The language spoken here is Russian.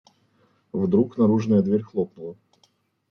Вдруг наружная дверь хлопнула.